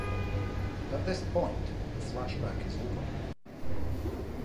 At this point the flashback is over.